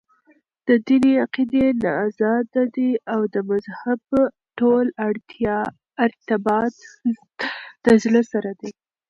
دديني عقيدي نه ازاد دي او دمذهب ټول ارتباط دزړه سره دى .